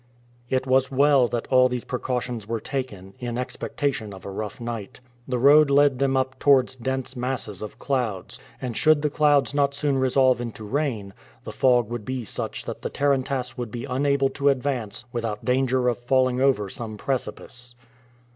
It was well that all these precautions were taken, in expectation of a rough night. The road led them up towards dense masses of clouds, and should the clouds not soon resolve into rain, the fog would be such that the tarantass would be unable to advance without danger of falling over some precipice.